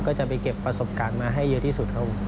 ก็จะไปเก็บประสบการณ์มาให้เยอะที่สุดครับผม